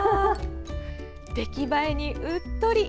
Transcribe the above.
出来栄えにうっとり。